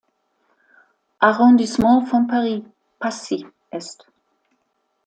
Arrondissements von Paris, Passy, ist.